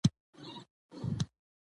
او هغه قبول شوی و،